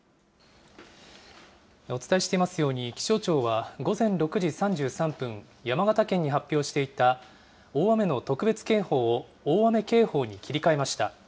お伝えしていますように、気象庁は、午前６時３３分、山形県に発表していた大雨の特別警報を大雨警報に切り替えました。